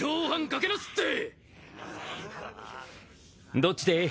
どっちでぇ？